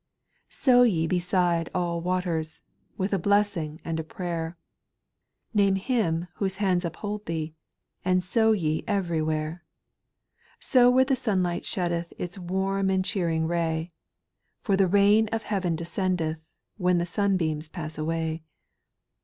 ! 2. f Sow ye beside all waters, With a blessing and a prayer ; Name Him whose hands uphold thee, And sow ye everywhere. Sow where the sunlight sheddeth Its warm and cheering ray, For the rain of heaven descendeth When the sunbeams pass away.